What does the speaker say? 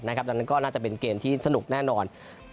ดังนั้นก็น่าจะเป็นเกมที่สนุกแน่นอน